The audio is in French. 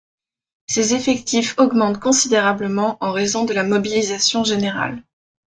Ses effectifs augmentent considérablement en raison de la mobilisation générale.